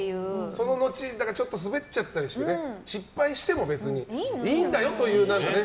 その後ちょっとスベっちゃったりして失敗しても別にいいんだよというね。